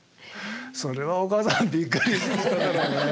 それはお母さんびっくりしただろうね。